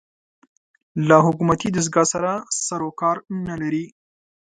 له حکومتي دستګاه سره سر و کار نه لري